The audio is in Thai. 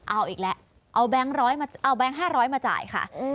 เอาอีกแล้วเอาแบงค์๕๐๐มาจ่ายค่ะ